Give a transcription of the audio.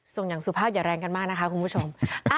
อย่างสุภาพอย่าแรงกันมากนะคะคุณผู้ชม